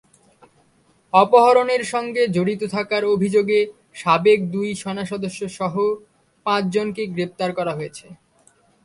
অপহরণের সঙ্গে জড়িত থাকার অভিযোগে সাবেক দুই সেনাসদস্যসহ পাঁচজনকে গ্রেপ্তার করা হয়েছে।